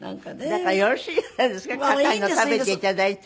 だからよろしいじゃないですか硬いの食べて頂いて。